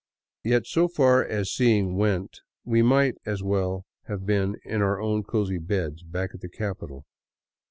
Yet so far as seeing went we might as well have been in our cozy beds back in the capital.